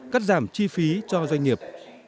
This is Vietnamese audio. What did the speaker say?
cắt giảm chi phí cho doanh nghiệp